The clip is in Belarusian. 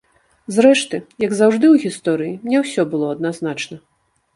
Зрэшты, як заўжды ў гісторыі, не ўсё было адназначна.